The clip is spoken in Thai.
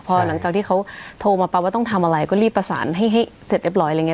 เพราะหลังจากที่เขาโทรมาปั๊บว่าต้องทำอะไรก็รีบประสานให้เสร็จเรียบร้อย